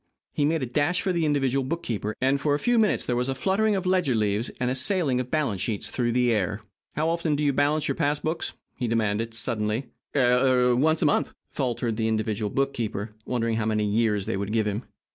He made a dash for the individual bookkeeper, and, for a few minutes there was a fluttering of ledger leaves and a sailing of balance sheets through the air. "How often do you balance your pass books?" he demanded, suddenly. "Er once a month," faltered the individual bookkeeper, wondering how many years they would give him.